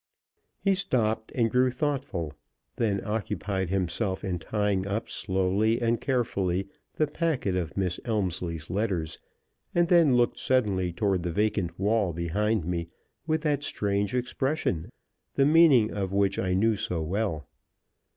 He stopped and grew thoughtful, then occupied himself in tying up slowly and carefully the packet of Miss Elmslie's letters, and then looked suddenly toward the vacant wall behind me with that strange expression the meaning of which I knew so well.